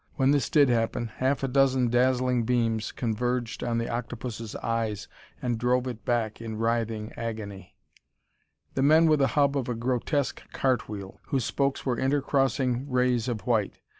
When this did happen, half a dozen dazzling beams converged on the octopus' eyes and drove it back in writhing agony. The men were the hub of a grotesque cartwheel, whose spokes were inter crossing rays of white.